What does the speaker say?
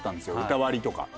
歌割りとか。